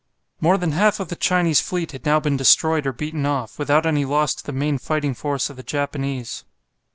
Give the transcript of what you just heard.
More than half of the Chinese fleet had now been destroyed or beaten off, without any loss to the main fighting force of the Japanese.